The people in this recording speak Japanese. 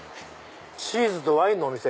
「チーズとワインのお店」。